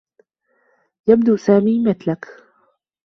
يبدو سامي مثلكِ.